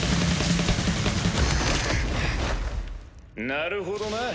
なるほどな。